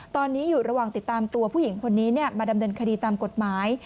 ตอนนี้อยู่ระหว่างติดตามตัวผู้หญิงคนนี้มาดำเนินคดีตามกฎหมาย